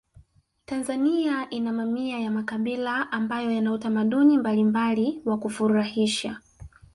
tanzania ina mamia ya makabila ambayo Yana utamaduni mbalimbali wa kufurahisha